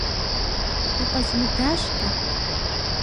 Укъэзымыда щыӏэ?